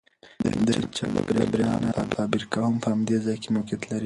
د چک د بریښنا فابریکه هم په همدې ځای کې موقیعت لري